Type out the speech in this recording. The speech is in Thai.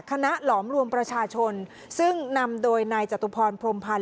หลอมรวมประชาชนซึ่งนำโดยนายจตุพรพรมพันธ